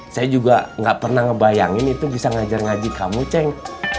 saya juga gak pernah ngebayangin itu bisa ngajar ngaji kamu ceng